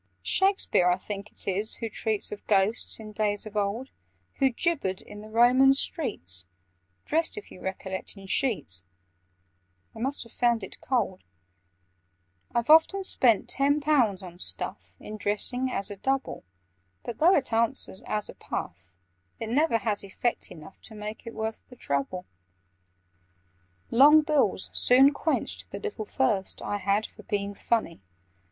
"Shakspeare I think it is who treats Of Ghosts, in days of old, Who 'gibbered in the Roman streets,' Dressed, if you recollect, in sheets— They must have found it cold. "I've often spent ten pounds on stuff, In dressing as a Double; But, though it answers as a puff, It never has effect enough To make it worth the trouble. [Picture: In dressing as a Double] "Long bills soon quenched the little thirst I had for being funny.